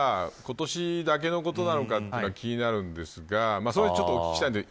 今年だけのことなのかというのは気になるんですがちょっとお聞きしたいです。